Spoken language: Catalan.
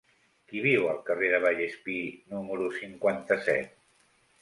Qui viu al carrer de Vallespir número cinquanta-set?